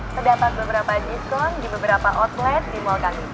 terdapat beberapa diskon di beberapa outlet di mal kami